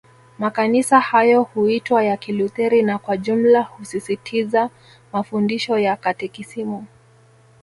Makanisa hayo huitwa ya Kilutheri na Kwa jumla husisitiza mafundisho ya Katekisimu